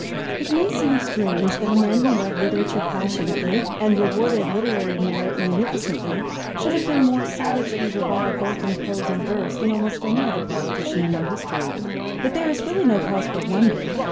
It may seem strange that a man who loved literature passionately, and rewarded literary merit munificently, should have been more savagely reviled both in prose and verse than almost any other politician in our history. But there is really no cause for wonder.